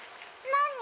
なに？